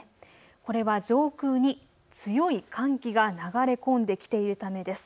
これは上空に強い寒気が流れ込んできているためです。